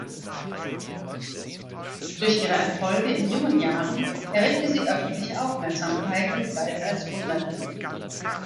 Durch ihre Erfolge in jungen Jahren erregte sie öffentliche Aufmerksamkeit und galt als Wunderkind.